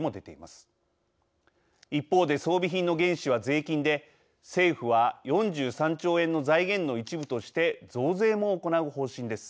一方で装備品の原資は税金で政府は４３兆円の財源の一部として増税も行う方針です。